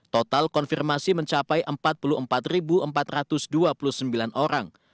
total konfirmasi mencapai empat puluh empat empat ratus dua puluh sembilan orang